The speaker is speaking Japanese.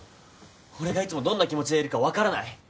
俺がいつもどんな気持ちでいるか分からない？